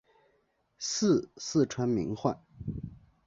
祀四川名宦。